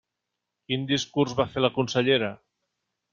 Quin discurs va fer la consellera?